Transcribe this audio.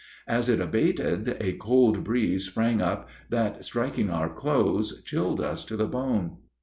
As it abated a cold breeze sprang up that, striking our clothes, chilled us to the bone.